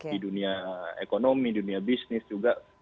di dunia ekonomi dunia bisnis juga